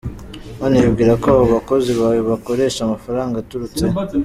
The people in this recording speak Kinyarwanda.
None wibwirako abo bakozi bawe bakoresha amafaranga aturutse he?